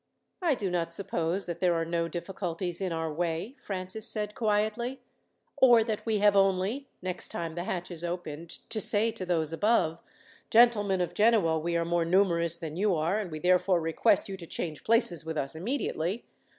"I do not suppose that there are no difficulties in our way," Francis said quietly; "or that we have only, next time the hatch is opened, to say to those above, 'Gentlemen of Genoa, we are more numerous than you are, and we therefore request you to change places with us immediately.'